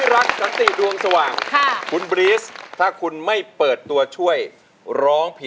เรียงก็บอกไม่ได้